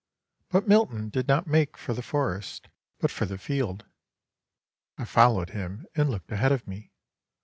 But Milton did not make for the forest, but for the field. I followed him and looked ahead of me.